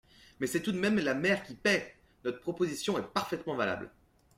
Mais c’est tout de même la mère qui paie ! Notre proposition est parfaitement valable.